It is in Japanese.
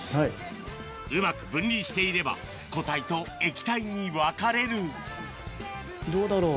うまく分離していれば固体と液体に分かれるどうだろう？